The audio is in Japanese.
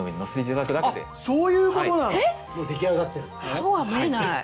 そうは見えない。